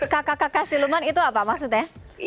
kakak kakak siluman itu apa maksudnya